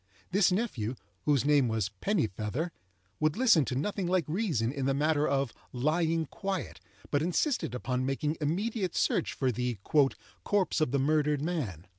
This nephew, whose name was Pennifeather, would listen to nothing like reason in the matter of "lying quiet," but insisted upon making immediate search for the "corpse of the murdered man."